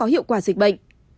hiệu quả dịch bệnh